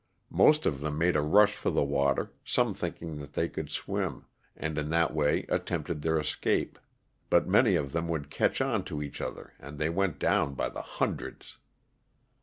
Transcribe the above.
Most of them made a rush for the water, some thinking that they could swim, and in that way attempted their escape, but many of them would catch on to each other and they went down by the hundreds.